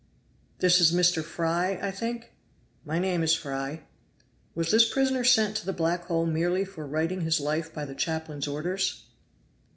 "This is Mr. Fry, I think?" "My name is Fry" "Was this prisoner sent to the black hole merely for writing his life by the chaplain's orders?"